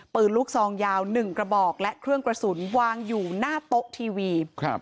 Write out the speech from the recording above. ปืนลูกซองยาว๑กระบอกและเครื่องกระสุนวางอยู่หน้าโต๊ะทีวี